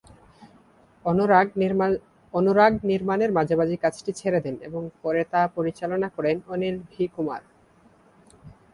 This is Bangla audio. অনুরাগ নির্মাণের মাঝামাঝি কাজটি ছেড়ে দেন এবং পরে তা পরিচালনা করেন অনিল ভি কুমার।